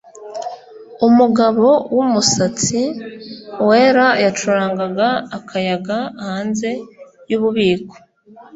Umugabo wumusatsi wera yacurangaga akayaga hanze yububiko